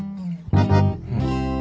うん。